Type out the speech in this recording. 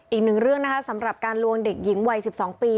อีกหนึ่งเรื่องนะคะสำหรับการลวงเด็กหญิงวัย๑๒ปี